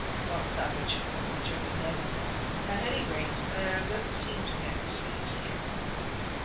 "Well, Savage," I said jokingly, "at any rate there don't seem to be any snakes here."